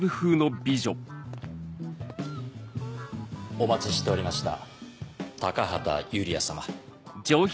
お待ちしておりました高畑ユリア様。